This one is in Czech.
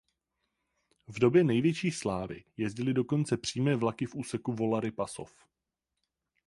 V době největší slávy jezdily dokonce přímé vlaky v úseku Volary–Pasov.